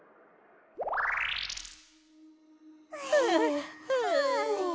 はあはあ。